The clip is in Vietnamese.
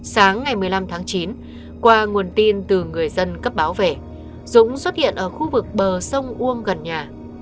sáng ngày một mươi năm tháng chín qua nguồn tin từ người dân cấp báo về dũng xuất hiện ở khu vực bờ sông uông gần nhà